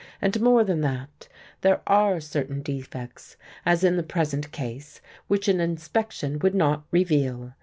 And more than that: there are certain defects, as in the present case, which an inspection would not reveal.